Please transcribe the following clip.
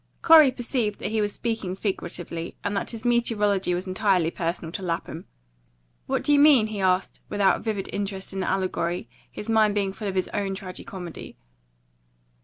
Corey perceived that he was speaking figuratively, and that his meteorology was entirely personal to Lapham. "What do you mean?" he asked, without vivid interest in the allegory, his mind being full of his own tragi comedy.